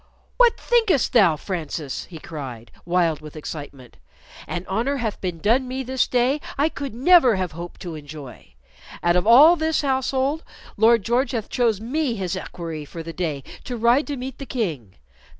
"What thinkest thou, Francis?" he cried, wild with excitement. "An honor hath been done me this day I could never have hoped to enjoy. Out of all this household, Lord George hath chose me his equerry for the day to ride to meet the King.